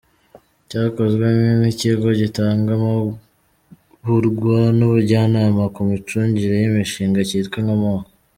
cyakozwe n’Ikigo gitanga amahurwa n’ubujyanama ku micungire y’imishinga cyitwa ‘Inkomoko’.